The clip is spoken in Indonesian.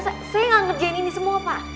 saya nggak ngerjain ini semua pak